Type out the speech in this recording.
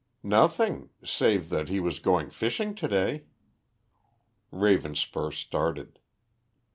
"Nothing, save that he was going fishing to day." Ravenspur started.